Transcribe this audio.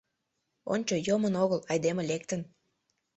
Ончо, йомын огыл, айдеме лектын.